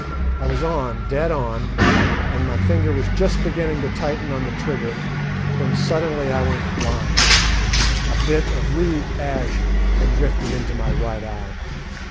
I was on, dead on, and my finger was just beginning to tighten on the trigger, when suddenly I went blind a bit of reed ash had drifted into my right eye.